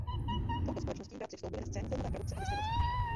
Touto společností bratři vstoupili na scénu filmové produkce a distribuce.